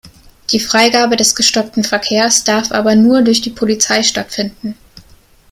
Die Freigabe des gestoppten Verkehrs darf aber nur durch die Polizei stattfinden.